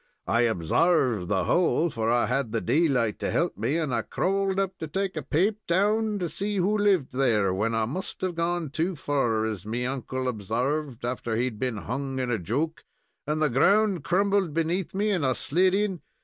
I obsarved the hole, for I had the daylight to help me, and I crawled up to take a paap down to see who lived there, when I must have gone too fur, as me uncle obsarved after he had been hung in a joke, and the ground crumbled beneath me, and I slid in.